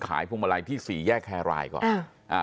คนขายภูมิมะลัยที่สี่แยกแครรายก่อนอ่า